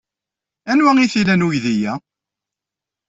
Anwa ay t-ilan uydi-a?